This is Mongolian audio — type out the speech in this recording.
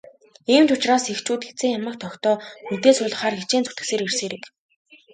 Ийм ч учраас эхчүүд хэзээ ямагт охидоо хүнтэй суулгахаар хичээн зүтгэсээр ирсэн хэрэг.